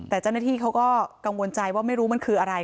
แต่เจ้าหน้าที่เขาก็กังวลใจว่าไม่รู้มันคืออะไร